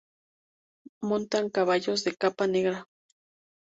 Montan caballos de capa negra.